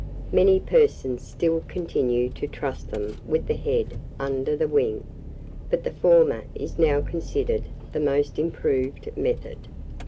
Many persons still continue to truss them with the head under the wing, but the former is now considered the most approved method.